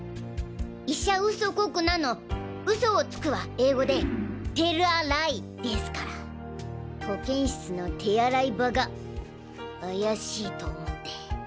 「医者ウソこくな」の「ウソをつく」は英語で「ＴＥＬＬＡＬＩＥ」ですから保健室の手洗い場が怪しいと思って。